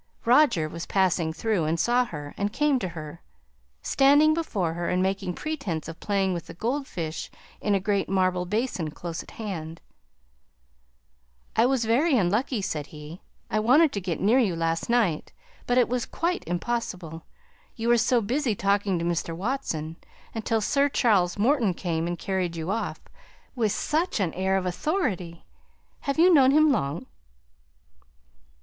Roger was passing through, and saw her, and came to her. Standing before her, and making pretence of playing with the gold fish in a great marble basin close at hand, "I was very unlucky," said he. "I wanted to get near you last night, but it was quite impossible. You were so busy talking to Mr. Watson, until Sir Charles Morton came and carried you off with such an air of authority! Have you known him long?"